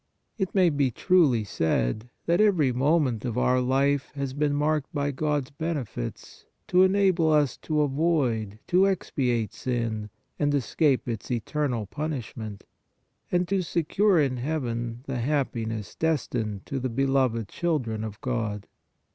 It may be truly said that every moment of our life has been marked by God s benefits to enable us to avoid, to expiate sin and escape its eternal punish ment, and to secure in heaven the happiness destined to the beloved children of God.